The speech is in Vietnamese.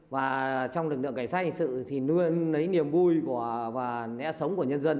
và trong lực lượng cảnh sát hình sự thì luôn lấy niềm vui và nẽ sống của nhân dân